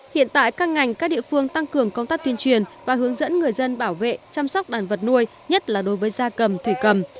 hiện tại các ngành các địa phương tăng cường công tác tuyên truyền và hướng dẫn người dân bảo vệ chăm sóc đàn vật nuôi nhất là đối với da cầm thủy cầm